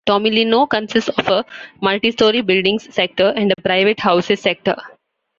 Tomilino consists of a multistory buildings sector and a private houses sector.